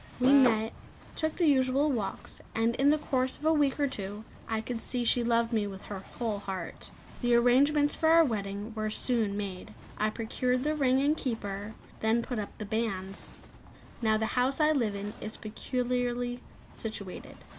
We met, took the usual walks; and in the course of a week or two, I could see she loved me with her whole heart. The arrangments for our wedding were soon made. I procured the ring and keeper; then put up the banns. Now the house I live in is peculiarly situated.